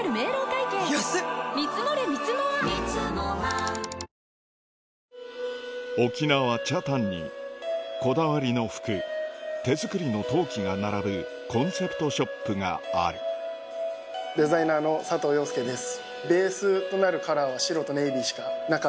乳酸菌が一時的な胃の負担をやわらげる沖縄・北谷にこだわりの服手作りの陶器が並ぶコンセプトショップがあるデザイナーの佐藤陽介です。